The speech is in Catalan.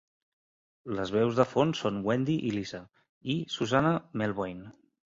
Les veus de fons són Wendy i Lisa, i Susannah Melvoin.